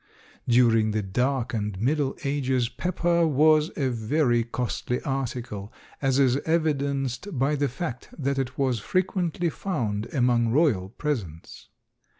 During the Dark and Middle Ages pepper was a very costly article, as is evidenced by the fact that it was frequently found among royal presents.